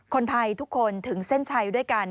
คนไทยทุกคนถึงเส้นชัยด้วยกัน